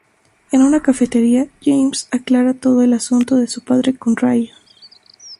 En una cafetería, James aclara todo el asunto de su padre con Ryan.